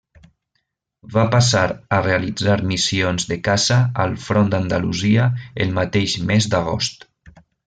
Va passar a realitzar missions de caça al Front d'Andalusia el mateix mes d'agost.